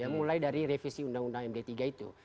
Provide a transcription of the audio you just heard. mulai dari revisi undang undang md tiga itu